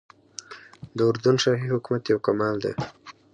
د اردن شاهي حکومت یو کمال دی.